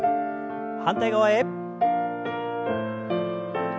反対側へ。